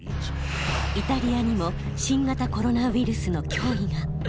イタリアにも新型コロナウイルスの脅威が。